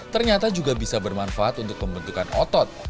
ternyata juga bisa bermanfaat untuk pembentukan otot